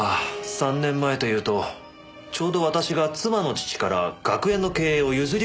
３年前というとちょうど私が妻の父から学園の経営を譲り受けた頃ですか。